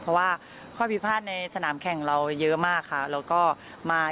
เพราะว่าข้อพิพาทในสนามแข่งเราเยอะมากค่ะแล้วก็มา